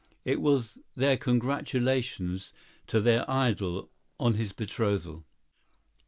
It was their congratulations to their idol on his betrothal.